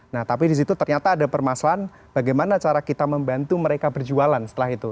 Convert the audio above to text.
nah tapi disitu ternyata ada permasalahan bagaimana cara kita membantu mereka berjualan setelah itu